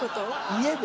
家で？